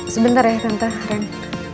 sebentar ya tante rang